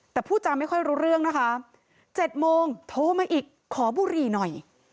แต่พูดจาไม่ค่อยรู้เรื่องนะคะ๗โมงโทรมาอีกขอบุหรี่หน่อย